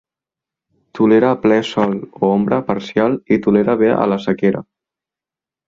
Tolera a ple sol o ombra parcial i tolera bé a la sequera.